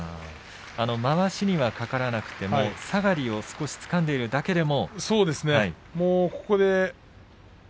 まわしにかからなくても下がりをつかんでいるだけでも。